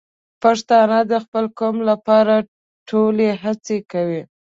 پښتانه د خپل قوم لپاره ټولې هڅې کوي.